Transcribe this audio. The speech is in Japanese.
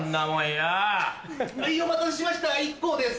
はいお待たせしましたイッコウです。